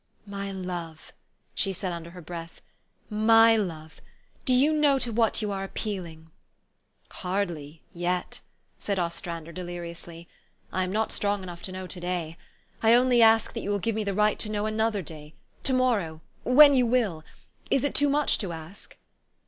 "My love," she said under her breath, "my love ! Do you know to what you are appealing? " THE STORY OF AVIS. 187 ' 4 Hardly, yet ,'' said Ostrander deliriously. '' I am not strong enough to know to day. I only ask that you will give me the right to know another day to morrow when you will. Is it too much to ask?"